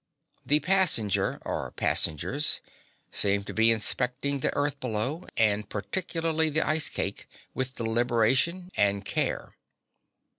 The passenger or passengers seemed to be inspecting the earth below, and particularly the ice cake, with deliberation and care.